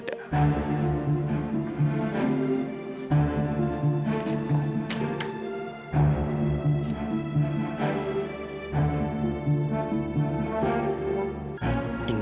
tidak ada masalah